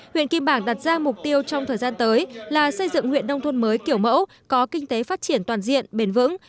huyện kim bảng đặt ra mục tiêu trong thời gian tới là xây dựng huyện đông thôn mới kiểu mẫu có kinh tế phát triển toàn diện bền vững